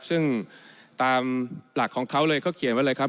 ซึ่งตามหลักของเขาเลยเขาเขียนไว้เลยครับ